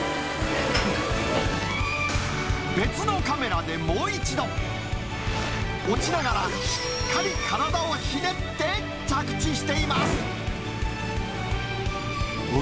別のカメラでもう一度。落ちながら、しっかり体をひねって着地しています。